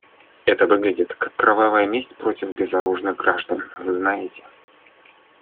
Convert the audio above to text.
Это выглядит как кровавая месть против безоружных граждан, вы знаете.